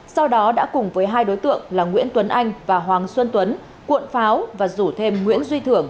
sau đó đã cùng với hai đối tượng là nguyễn tuấn anh và hoàng xuân tuấn cuộn pháo và rủ thêm nguyễn duy thưởng